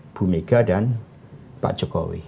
bu mega dan pak jokowi